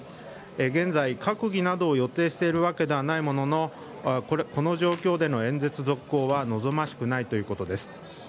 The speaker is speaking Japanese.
現在、閣議などを予定しているわけではないもののこの状況での演説続行は望ましくないということです。